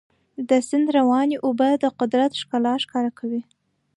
د سیند روانې اوبه د قدرت ښکلا ښکاره کوي.